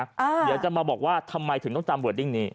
เดี๋ยวจะมาบอกว่าทำไมถึงต้องตามเวิร์ดดิ้งนี้